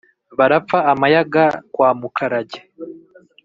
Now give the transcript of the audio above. barapfa amayaga kwa mukarage